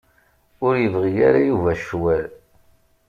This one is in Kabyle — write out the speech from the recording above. Ur yebɣi ara Yuba ccwal.